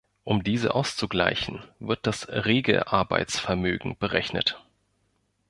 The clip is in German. Um diese auszugleichen, wird das Regelarbeitsvermögen berechnet.